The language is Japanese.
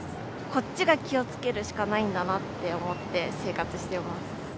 こっちが気をつけるしかないんだなと思って、生活してます。